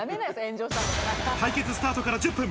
対決スタートから１０分。